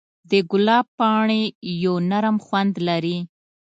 د ګلاب پاڼې یو نرم خوند لري.